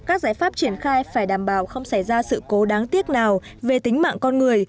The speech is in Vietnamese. các giải pháp triển khai phải đảm bảo không xảy ra sự cố đáng tiếc nào về tính mạng con người